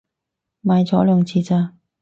買咗兩次咋